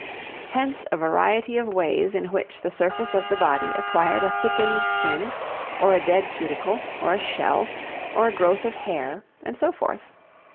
Hence a variety of ways in which the surface of the body acquired a thickened skin, or a dead cuticle, or a shell, or a growth of hair, and so forth.